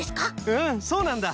うんそうなんだ。